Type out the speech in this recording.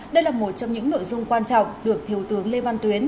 đây là một trong những nội dung quan trọng được thiếu tướng lê văn tuyến